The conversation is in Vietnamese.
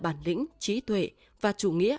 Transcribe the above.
bản lĩnh trí tuệ và chủ nghĩa